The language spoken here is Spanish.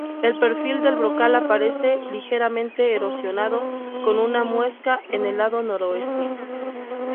El perfil del brocal aparece ligeramente erosionado, con una muesca en el lado noroeste.